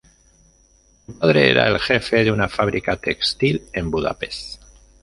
Su padre era el jefe de una fábrica textil en Budapest.